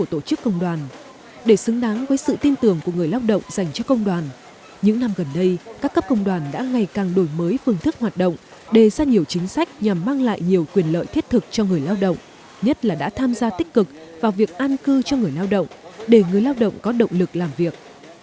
chị hiệp cảm thấy điểm vui như được nhân đôi khi giờ đây các cấp công đoàn đã ngày càng đổi mới phương thức hoạt động đề ra nhiều chính sách nhằm mang lại nhiều quyền lợi thiết thực cho người lao động nhất là đã tham gia tích cực vào việc an cư cho người lao động để người lao động có động lực làm việc